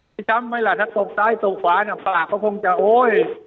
ที่ช้ำไหมล่ะถ้าตบซ้ายตบขวาเนี่ยปากก็คงจะโอ๊ย